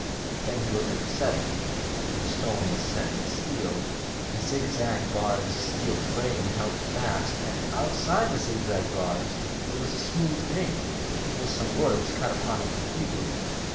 Then he looked at the setting, for the stone was set in steel. A zigzag barred steel frame held it fast, and outside the zigzag bars there was a smooth ring, with some words cut upon it in Hebrew.